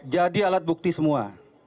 jadi alat bukti semua